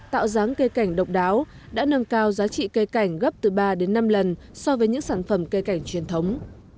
tạo dáng cây cảnh độc đáo đã nâng cao giá trị cây cảnh gấp từ ba đến năm lần so với những sản phẩm cây cảnh truyền thống